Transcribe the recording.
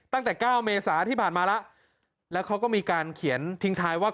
ตั้งแต่เก้าเมษาที่ผ่านมาแล้วแล้วเขาก็มีการเขียนทิ้งท้ายว่า